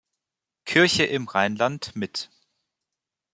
Kirche im Rheinland mit.